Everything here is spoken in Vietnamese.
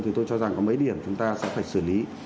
thì tôi cho rằng có mấy điểm chúng ta sẽ phải xử lý